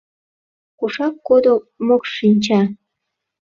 Кушак кодо Мокш-шинча?»